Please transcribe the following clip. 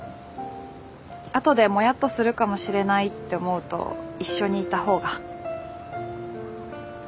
あとでモヤっとするかもしれないって思うと一緒にいた方が。